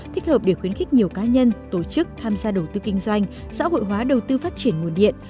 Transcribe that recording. thích hợp để khuyến khích nhiều cá nhân tổ chức tham gia đầu tư kinh doanh xã hội hóa đầu tư phát triển nguồn điện